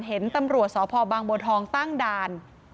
เห็นตำรวจสพบางบัวทองตั้งด่าน